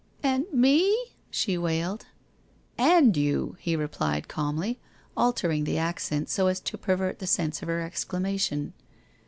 'And me? ' she wailed. 'And you/ he replied calmly, altering the accent so as to pervert the sense of her exclamation.